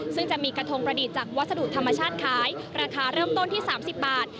ซึ่งจะมีกระทงประดิษฐ์จากวัสดุธรรมชาติขายราคาเริ่มต้นที่๓๐บาท